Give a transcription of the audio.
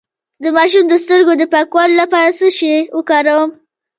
د ماشوم د سترګو د پاکوالي لپاره څه شی وکاروم؟